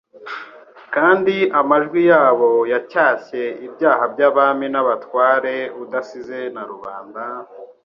kandi amajwi yabo yacyashye ibyaha by'abami n'abatware udasize na rubanda,